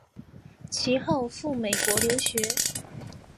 其后赴美国留学。